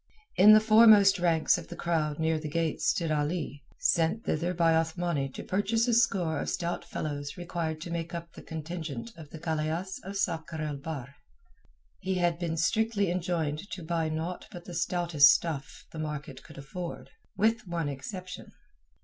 In the foremost ranks of the crowd near the gate stood Ali, sent thither by Othmani to purchase a score of stout fellows required to make up the contingent of the galeasse of Sakr el Bahr. He had been strictly enjoined to buy naught but the stoutest stuff the market could afford—with one exception.